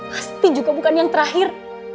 pasti juga bukan yang terakhir